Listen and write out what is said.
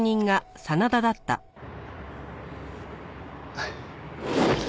はい。